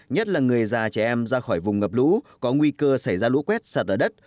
nhất là người già trẻ em ra khỏi vùng ngập lũ có nguy cơ xảy ra lũ quét sạt ở đất